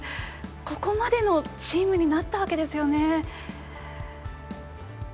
ここまでのチームになったわけですよね。